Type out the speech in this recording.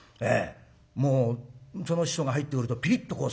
もうその人が入ってくるとピリッとこうする。